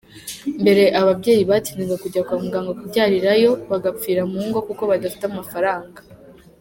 Mbere ababyeyi batinyaga kujya kwa muganga kubyarirayo bagapfira mu ngo kuko badafite amafaranga".